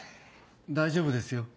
大丈夫ですよ。